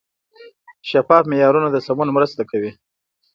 شفاف معیارونه د سمون مرسته کوي.